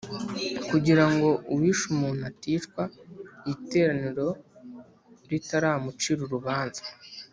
Kugira ngo uwishe umuntu aticwa iteraniro ritaramucira urubanza